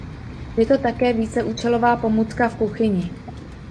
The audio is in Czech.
Je to také víceúčelová pomůcka v kuchyni.